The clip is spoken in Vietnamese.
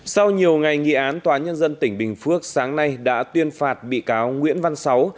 sau nhiều ngày nghị án tòa nhân dân tỉnh bình phước sáng nay đã tuyên phạt bị cáo nguyễn văn sáu